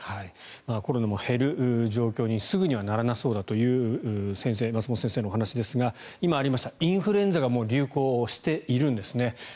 コロナも減る状況にすぐにはならなそうだという松本先生のお話ですが今、ありましたインフルエンザが流行しているんですね。